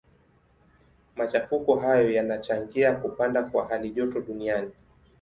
Machafuko hayo yanachangia kupanda kwa halijoto duniani.